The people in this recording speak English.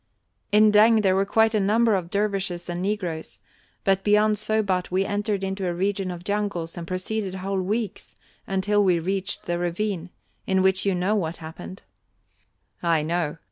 "In Deng there were quite a number of dervishes and negroes. But beyond Sobat we entered into a region of jungles and proceeded whole weeks until we reached the ravine, in which you know what happened " "I know.